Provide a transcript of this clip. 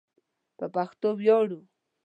په پښتو ویاړو